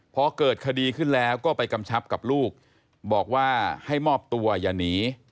พอเกิดคดีขึ้นแล้วก็ไปกำชับกับลูกบอกว่าให้มอบตัวอย่าหนี